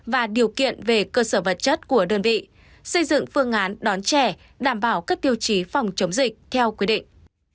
và điều kiện về cơ sở vật chất của đơn vị xây dựng phương án đón trẻ đảm bảo các tiêu chí phòng chống dịch theo quy định